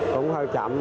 cũng hơi chậm